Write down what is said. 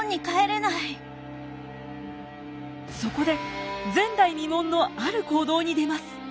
そこで前代未聞のある行動に出ます。